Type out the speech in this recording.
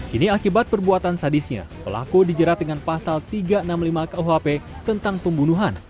kini akibat perbuatan sadisnya pelaku dijerat dengan pasal tiga ratus enam puluh lima kuhp tentang pembunuhan